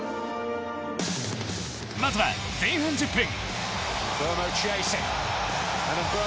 まずは前半１０分。